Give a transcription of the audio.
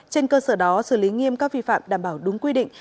trên cơ sở đó xử lý nghiêm các vi phạm đảm bảo đúng quy định